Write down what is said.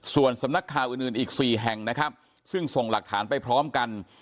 ส่วนสำนักข่าวอื่นอีก๔แห่งนะครับซึ่งส่งหลักฐานไปพร้อมกัน